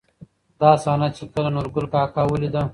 دا صحنه، چې کله نورګل کاکا ولېده.